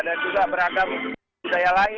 dan juga beragam budaya lain